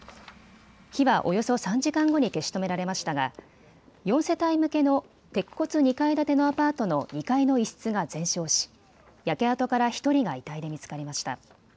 火はおよそ３時間後に消し止められましたが４世帯向けの鉄骨２階建てのアパートの２階の一室が全焼し、焼け跡から１人が遺体で見つかりました。